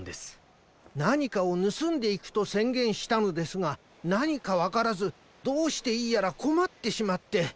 なにかをぬすんでいくとせんげんしたのですがなにかわからずどうしていいやらこまってしまって。